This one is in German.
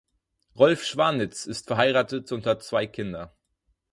Rolf Schwanitz ist verheiratet und hat zwei Kinder.